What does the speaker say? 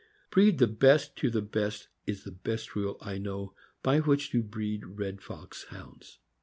Breed the best to the best is the best rule I know by which to breed red fox Hounds.